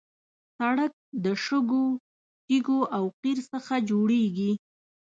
سړک د شګو، تیږو او قیر څخه جوړېږي.